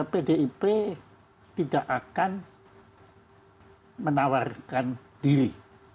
pdip tidak akan menawarkan diri